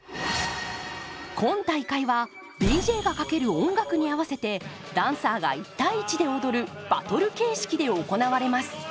今大会はＤＪがかける音楽に合わせてダンサーが１対１で踊るバトル形式で行われます。